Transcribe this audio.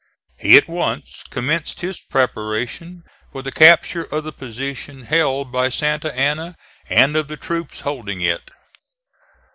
He at once commenced his preparations for the capture of the position held by Santa Anna and of the troops holding it.